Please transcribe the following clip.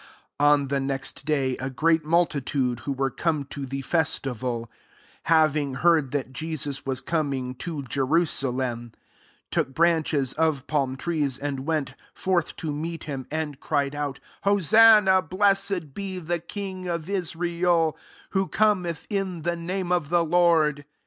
12 On the next day, a great multitude who were come to the festival, having heard that Jesus was coming to Jerusalem, 13 took branches of palm trees, and went forth to meet him, and cried out, " Hosanna ; blessed be the King of Israel who com eth in the name of the Lord."